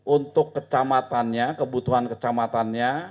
untuk kebutuhan kecamatannya